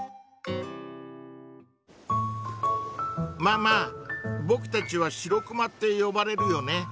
ママぼくたちはシロクマって呼ばれるよね。